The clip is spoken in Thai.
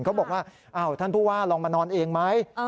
เขาบอกว่าท่านผู้ว่าลองมานอนเองไหม